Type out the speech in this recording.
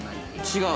◆違う？